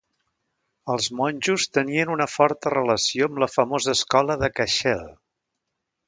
Els monjos tenien una forta relació amb la famosa escola de Cashel.